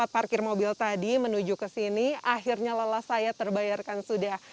parkir mobil tadi menuju ke sini akhirnya lelah saya terbayarkan sudah